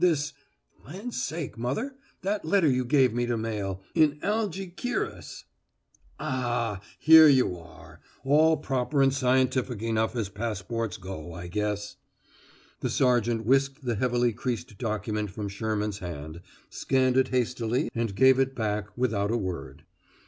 This Land's sakes, mother, that letter you gave me to mail, in Algy kiras Ah, here you are, all proper and scientific enough as passports go, I guess." The sergeant whisked the heavily creased document from Sherman's hand, scanned it hastily, and gave it back, without a word.